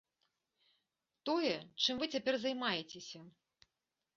Тое, чым вы цяпер займаецеся.